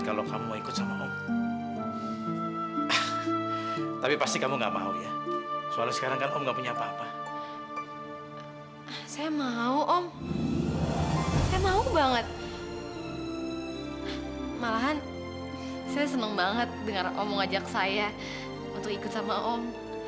malahan saya seneng banget dengar om mau ngajak saya untuk ikut sama om